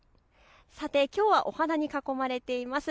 きょうはお花に囲まれています。